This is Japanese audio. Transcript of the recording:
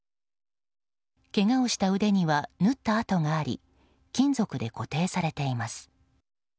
けがをした腕には縫った跡があり金属で固定されています。